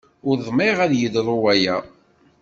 Ur dmiɣ ad yeḍru waya.